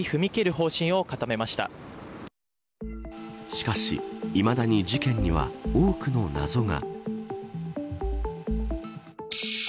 しかし、いまだに事件には多くの謎が。